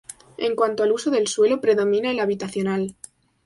En cuanto al uso del suelo, predomina el habitacional.